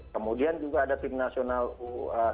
kemudian juga ada tim nasional u sembilan belas